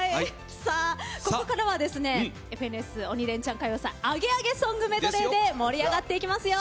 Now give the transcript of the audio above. ここからは「ＦＮＳ鬼レンチャン歌謡祭」アゲアゲソングメドレーで盛り上がっていきますよ。